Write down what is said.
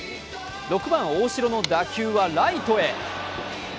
６番・大城の打球はライトへ。